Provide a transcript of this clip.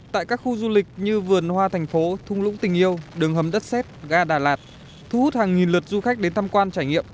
tại các khu du lịch như vườn hoa thành phố thung lũng tình yêu đường hầm đất xét ga đà lạt thu hút hàng nghìn lượt du khách đến tham quan trải nghiệm